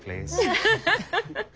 ハハハハハ。